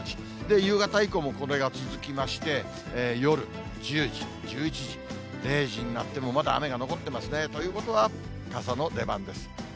夕方以降もこれが続きまして、夜１０時、１１時、０時になってもまだ雨が残ってますね。ということは、傘の出番です。